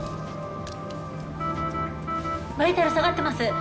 バイタル下がってます。